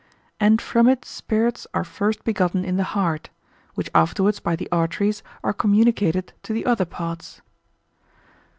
And from it spirits are first begotten in the heart, which afterwards by the arteries are communicated to the other parts.